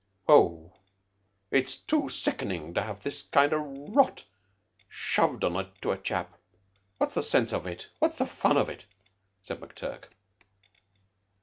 "Oh, it's too sickening to have this kind o' rot shoved on to a chap. What's the sense of it? What's the fun of it?" said McTurk.